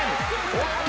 おっと！